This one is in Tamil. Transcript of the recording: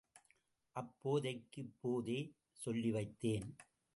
அப்போதைக்கு இப்போதே சொல்லிவைத்தேன்.